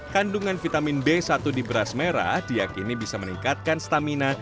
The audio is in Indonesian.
kandungan vitamin b satu di beras merah diakini bisa meningkatkan stamina